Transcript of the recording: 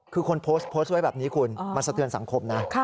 คือคนโพสต์โพสต์ไว้แบบนี้คุณมันสะเทือนสังคมนะ